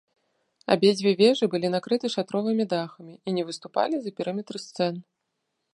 Абедзве вежы былі накрыты шатровымі дахамі і не выступалі за перыметр сцен.